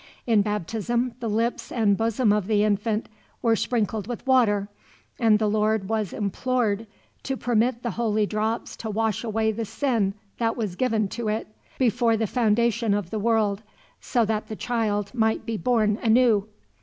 In baptism the lips and bosom of the infant were sprinkled with water, and the Lord was implored to permit the holy drops to wash away the sin that was given to it, before the foundation of the world, so that the child might be born anew.